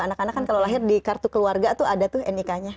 anak anak kan kalau lahir di kartu keluarga tuh ada tuh nik nya